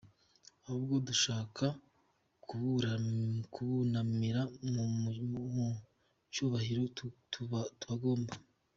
Ahubwo dushaka kubunamira mu cyubahiro tubagomba.